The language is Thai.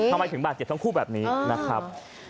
ทำไมถึงบาดเจ็บทั้งคู่แบบนี้นะครับ